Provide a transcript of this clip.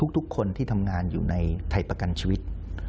ทุกคนที่ทำงานอยู่ในไทยประกันชีวิต